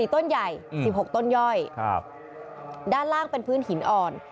ต้นใหญ่๑๖ต้นย่อยด้านล่างเป็นพื้นหินอ่อน